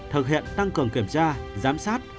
thực hiện tăng cường kiểm tra giám sát